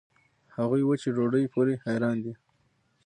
هغوي وچې ډوډوۍ پورې حېران دي.